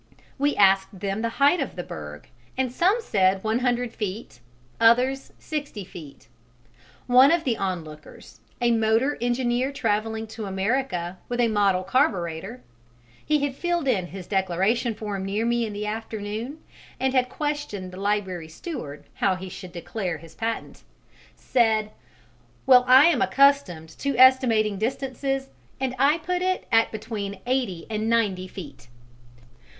We asked them the height of the berg and some said one hundred feet, others, sixty feet; one of the onlookers a motor engineer travelling to America with a model carburetter (he had filled in his declaration form near me in the afternoon and had questioned the library steward how he should declare his patent) said, "Well, I am accustomed to estimating distances and I put it at between eighty and ninety feet."